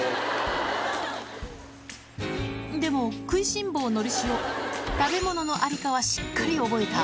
でも、食いしん坊のりしお、食べ物の在りかはしっかり覚えた。